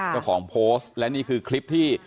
เจ้าของโพสต์และนี่คือคลิปที่